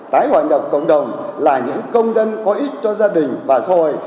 tái hoạt nhập cộng đồng là những công dân có ích cho gia đình và xôi